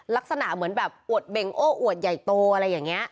ลักษณะเหมือนแบบอวดเบ่งโอ้อวดใหญ่โตอะไรอย่างนี้